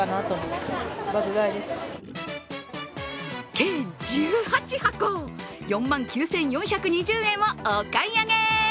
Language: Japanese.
計１８箱、４万９４２０円をお買い上げ。